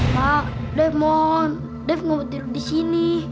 ma dev mohon dev gak mau tidur di sini